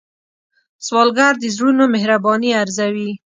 سوالګر د زړونو مهرباني ارزوي